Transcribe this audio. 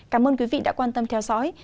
cảm ơn quý vị đã quan tâm theo dõi